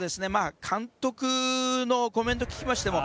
監督のコメントを聞きましても